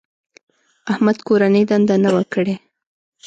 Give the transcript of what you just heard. احمد کورنۍ دنده نه وه کړې.